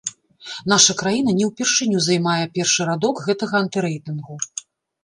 Наша краіна не ўпершыню займае першы радок гэтага антырэйтынгу.